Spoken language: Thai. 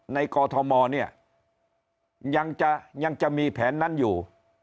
ในกอทมเนี่ยยังจะยังจะมีแผนนั้นอยู่